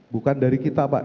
bukan dari kita pak